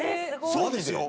そうですよ。